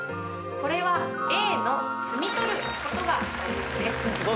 これはＡの摘み取ることが大切です。